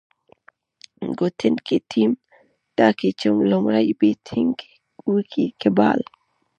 ګټونکی ټیم ټاکي، چي لومړی بېټينګ وکي که بال.